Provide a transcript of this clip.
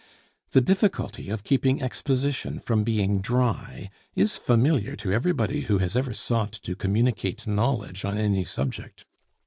The difficulty of keeping exposition from being dry is familiar to everybody who has ever sought to communicate knowledge on any subject.